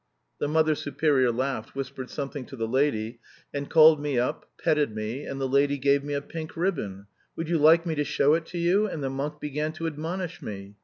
The Mother Superior laughed, whispered something to the lady and called me up, petted me, and the lady gave me a pink ribbon. Would you like me to show it to you? And the monk began to admonish me.